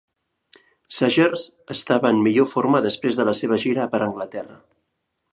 Saggers estava en millor forma després de la seva gira per Anglaterra.